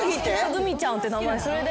グミちゃんって名前それで。